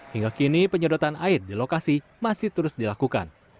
hingga kini penyedotan air di lokasi masih terus dilakukan